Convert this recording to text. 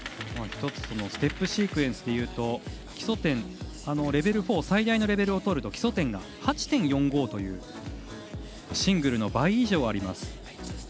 １つステップシークエンスでいうと基礎点、レベル４で最大のレベルを取ると基礎点が８．４５とシングルの倍以上あります。